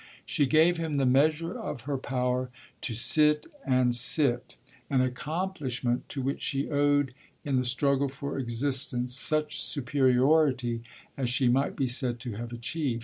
She gave him the measure of her power to sit and sit an accomplishment to which she owed in the struggle for existence such superiority as she might be said to have achieved.